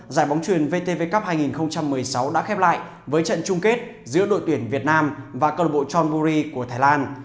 giải bóng truyền vtv cup hai nghìn một mươi sáu đã khép lại với trận chung kết giữa đội tuyển việt nam và club john burry của thái lan